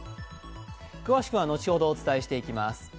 詳しくは後ほど、お伝えしていきます。